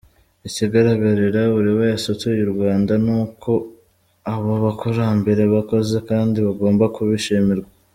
Ikigaragarira buri wese utuye u Rwanda, ni uko abo bakurambere bakoze kandi bagomba kubishimirwa.